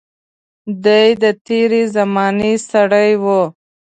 دای د تېرې زمانې سړی و.